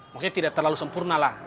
maksudnya tidak terlalu sempurna lah